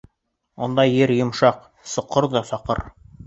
Унда ер йомшаҡ, соҡор ҙа саҡыр.